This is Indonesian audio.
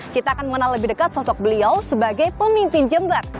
kita akan mengenal lebih dekat sosok beliau sebagai pemimpin jember